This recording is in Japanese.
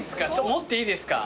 持っていいですか？